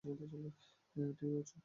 এটি উঁচু।